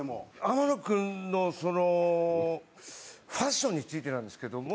天野君のそのファッションについてなんですけども。